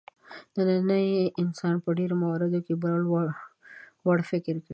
نننی انسان په ډېرو موردونو کې بل وړ فکر کوي.